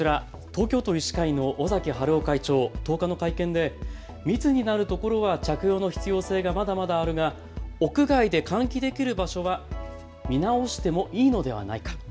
東京都医師会の尾崎治夫会長、１０日の会見で密になるところは着用の必要性がまだまだあるが屋外で換気できる場所は見直してもいいのではないか。